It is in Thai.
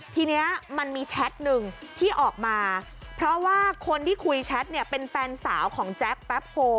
ทีนี้มันมีแชทหนึ่งที่ออกมาเพราะว่าคนที่คุยแชทเนี่ยเป็นแฟนสาวของแจ๊คแป๊บโพล